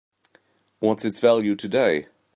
What's its value today?